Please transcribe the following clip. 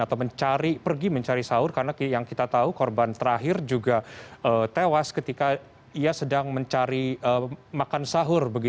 atau pergi mencari sahur karena yang kita tahu korban terakhir juga tewas ketika ia sedang mencari makan sahur